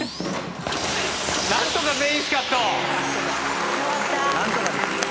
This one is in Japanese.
何とか。